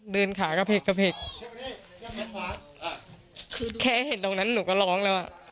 เดินขากระเพกกระเพกแค่เห็นตรงนั้นหนูก็ร้องแล้วอ่ะ